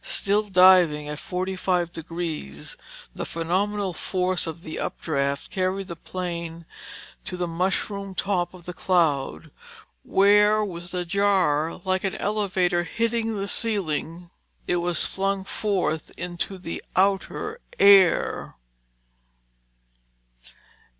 Still diving at 45 degrees, the phenomenal force of the updraft carried the plane to the mushroom top of the cloud, where with a jar like an elevator hitting the ceiling, it was flung forth into the outer air.